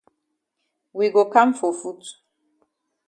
We go kam for foot.